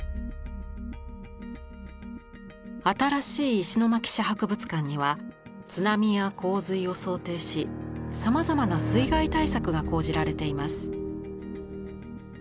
新しい石巻市博物館には津波や洪水を想定しさまざまな水害対策が講じられています。